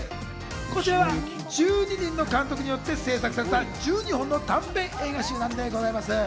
こちらは１２人の監督によって製作された１２本の短編映画集なんでございます。